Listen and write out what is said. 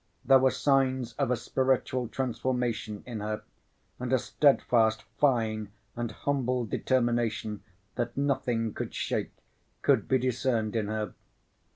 There were signs of a spiritual transformation in her, and a steadfast, fine and humble determination that nothing could shake could be discerned in her.